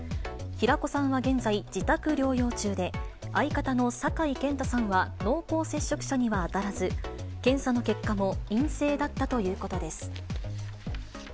平子さんは現在、自宅療養中で、相方の酒井健太さんは濃厚接触者には当たらず、検査の結果も陰性だったということです。